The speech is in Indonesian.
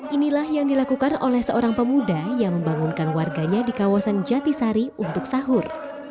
inilah yang dilakukan oleh seorang pemuda yang membangunkan warganya di kawasan jatisari untuk sahur